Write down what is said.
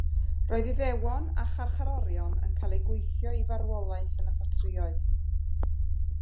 Roedd Iddewon a charcharorion yn cael eu gweithio i farwolaeth yn y ffatrïoedd